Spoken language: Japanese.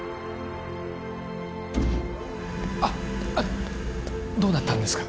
あっあっどうなったんですか？